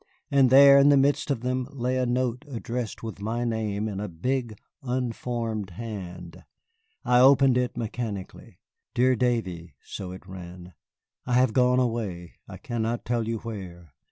And there, in the midst of them, lay a note addressed with my name in a big, unformed hand. I opened it mechanically. "Dear Davy," so it ran, "I have gone away, I cannot tell you where.